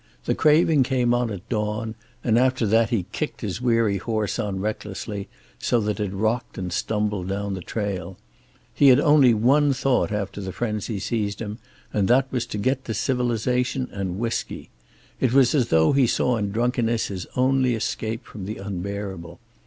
The craving came on at dawn, and after that he kicked his weary horse on recklessly, so that it rocked and stumbled down the trail. He had only one thought after the frenzy seized him, and that was to get to civilization and whisky. It was as though he saw in drunkenness his only escape from the unbearable.